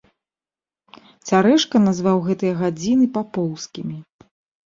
Цярэшка назваў гэтыя гадзіны папоўскімі.